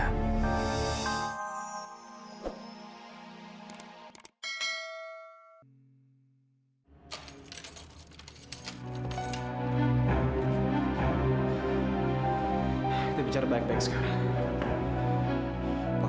kita bicara baik baik sekarang